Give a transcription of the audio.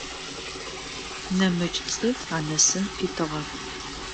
Нэмыкӏ цӏыф анэсын фитыгъэп.